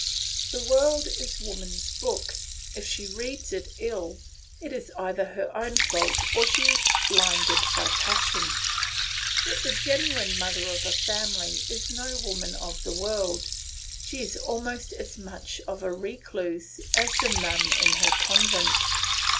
The world is woman's book; if she reads it ill, it is either her own fault or she is blinded by passion. Yet the genuine mother of a family is no woman of the world, she is almost as much of a recluse as the nun in her convent.